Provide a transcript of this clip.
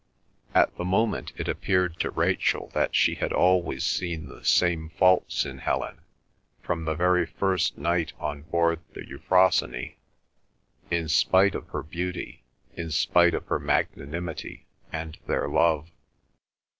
At the moment it appeared to Rachel that she had always seen the same faults in Helen, from the very first night on board the Euphrosyne, in spite of her beauty, in spite of her magnanimity and their love.